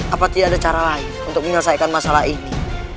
apa tidak ada cara lain untuk menyelesaikan masalah ini